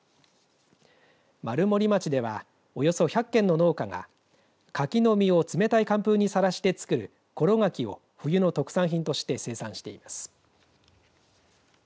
丸森町ではおよそ１００軒の農家が柿の実を冷たい寒風にさらして作る、ころ柿を冬の特産品として生産しています。